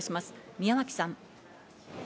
宮脇さん。